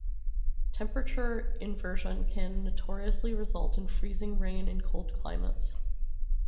Temperature inversion can notoriously result in freezing rain in cold climates.